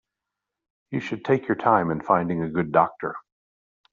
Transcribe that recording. You should take your time in finding a good doctor.